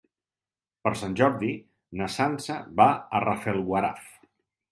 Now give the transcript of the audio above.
Per Sant Jordi na Sança va a Rafelguaraf.